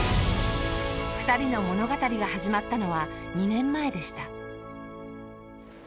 ２人の物語が始まったのは２年前でした。